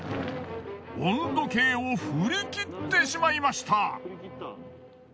温度計を振り切ってしまいました。